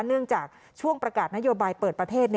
เนื่องจากช่วงประกาศนโยบายเปิดประเทศ